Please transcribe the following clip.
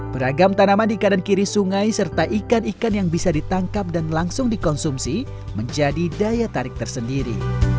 beragam tanaman di kanan kiri sungai serta ikan ikan yang bisa ditangkap dan langsung dikonsumsi menjadi daya tarik tersendiri